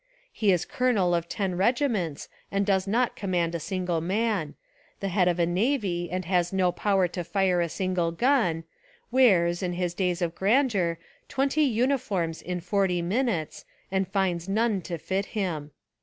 He is colo nel of ten regiments and does not command a single man, the head of a navy and has no power to fire a single gun, wears, in his days of grandeur, twenty uniforms in forty minutes and finds none to fit him.